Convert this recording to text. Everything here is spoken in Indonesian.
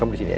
ya belon ya